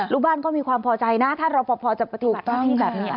ลูกบ้านก็มีความพอใจนะถ้าเราปลอดภัยจะปฏิบัติแบบนี้